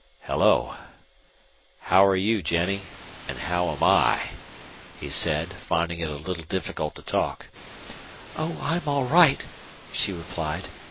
"Hello. How're you, Jennie, and how am I?" he said, finding it a little difficult to talk. "Oh, I'm all right," she replied.